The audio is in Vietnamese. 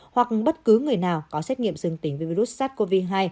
hoặc bất cứ người nào có xét nghiệm dương tính với virus sars cov hai